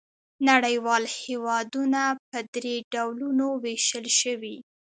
نړیوال هېوادونه په درې ډولونو وېشل شوي.